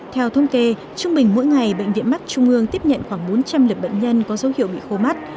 theo thông kê trung bình mỗi ngày bệnh viện mắt trung ương tiếp nhận khoảng bốn trăm linh lượt bệnh nhân có dấu hiệu bị khô mắt